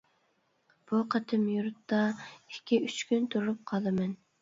بۇ قېتىم يۇرتتا ئىككى-ئۈچ كۈن تۇرۇپ قالىمەن.